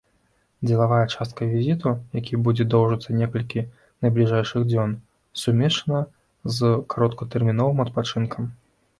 Дзелавая частка візіту, які будзе доўжыцца некалькі найбліжэйшых дзён, сумешчана з кароткатэрміновым адпачынкам.